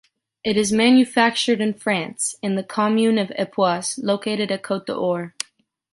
It is manufactured in France, in the commune of Epoisses located at Côte-d’Or.